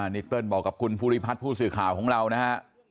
นี่เติ้ลบอกกับคุณภูริพัฒน์ผู้สื่อข่าวของเรานะฮะ